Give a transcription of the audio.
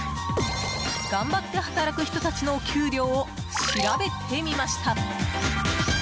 頑張って働く人たちのお給料を調べてみました。